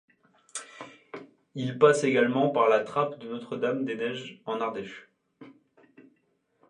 Il passe également par la Trappe de Notre-Dame-des-Neiges, en Ardèche.